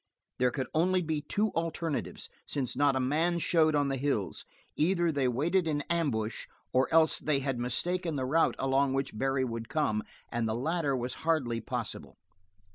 There could only be two alternatives, since not a man showed on the hills. Either they waited in ambush, or else they had mistaken the route along which Barry would come, and the latter was hardly possible.